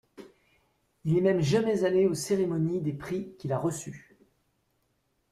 Il n’est même jamais allé aux cérémonies des prix qu’il a reçus.